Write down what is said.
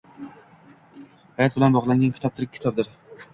Hayot bilan bog‘langan kitob tirik kitobdir.